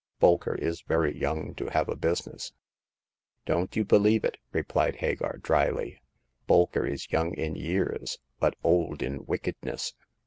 " Bolker is very young to have a business." " Don't you believe it," replied Hagar, drily. " Bolker is young in years, but old in wicked ness.